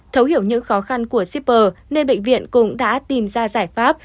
thấu hiểu những khó khăn của shipper nên bệnh viện cũng đã tìm ra giải pháp